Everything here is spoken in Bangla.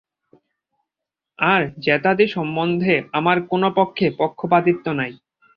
আর জাত্যাদি সম্বন্ধে আমার কোন পক্ষে পক্ষপাতিত্ব নাই।